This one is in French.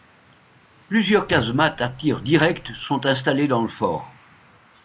Plusieurs casemates à tir direct sont installées dans le fort.